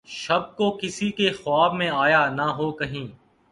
شب کو‘ کسی کے خواب میں آیا نہ ہو‘ کہیں!